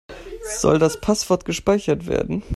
Soll das Passwort gespeichert werden?